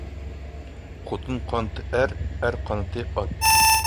خوتۇن قانىتى ئەر، ئەر قانىتى ئات.